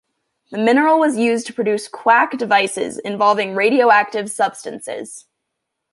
The mineral was used to produce quack devices involving radioactive substances.